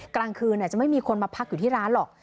กลางคืนจะไม่มีคนมาพักอยู่ที่ร้านหรอก